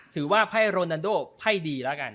ถือว่าไพ่โรนันโดไพ่ดีแล้วกัน